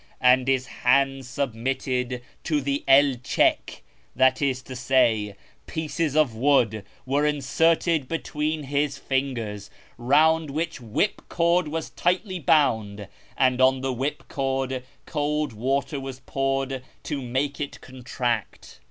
md liis liands submitted to the el chclc, that is to say, pieces of wood were insert cd between his fingers, round which whip cord was tightly bound, and on the \vhip cord cokl water was poured to make it con tract.